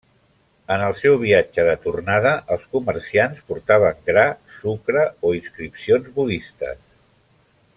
En el seu viatge de tornada, els comerciants portaven gra, sucre o inscripcions budistes.